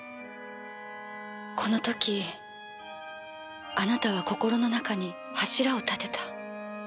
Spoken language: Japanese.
この時あなたは心の中に柱を立てた。